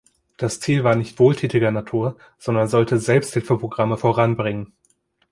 Das Ziel war nicht wohltätiger Natur, sondern sollte Selbsthilfeprogramme voranbringen.